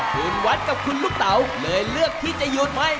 คุณวัดกับคุณลูกเต๋าเลยเลือกที่จะหยุดไหม